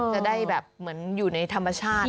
จะได้แบบเหมือนอยู่ในธรรมชาติ